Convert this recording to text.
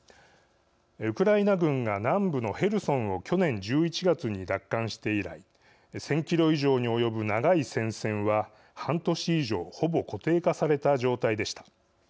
ウクライナ軍が南部のヘルソンを去年１１月に奪還して以来１０００キロ以上に及ぶ長い戦線は半年以上ほぼ固定化された状態でした。